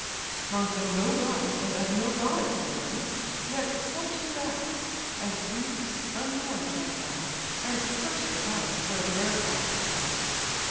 Sprung from no god, and of no goddess born; Yet such his acts, as Greeks unborn shall tell, And curse the battle where their fathers fell.